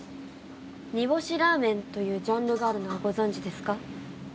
煮干しラーメンというジャンルがあるのはご存じですか？